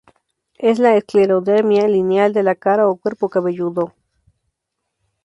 Es la esclerodermia lineal de la cara o cuerpo cabelludo.